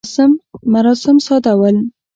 مراسم ساده ول.